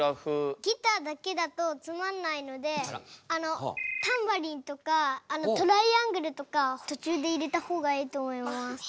ギターだけだとつまんないのでタンバリンとかトライアングルとか途中で入れた方がいいと思います。